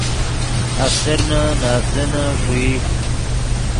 افسرنے نے اڤزینے ݰوئی